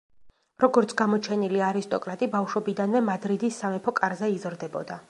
როგორც გამოჩენილი არისტოკრატი, ბავშვობიდანვე მადრიდის სამეფო კარზე იზრდებოდა.